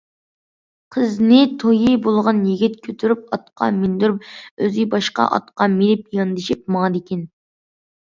قىزنى تويى بولغان يىگىت كۆتۈرۈپ ئاتقا مىندۈرۈپ ئۆزى باشقا ئاتقا مىنىپ ياندىشىپ ماڭىدىكەن.